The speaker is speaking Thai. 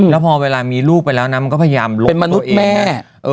แล้วพอมีลูกประมาณนี้ไปก็พยายามล้มตัวเอง